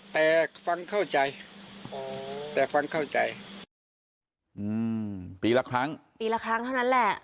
แต่ฟันเข้าใจอ๋อแต่ฟันเข้าใจอืมปีละครั้งปีละครั้งเท่านั้นแหละ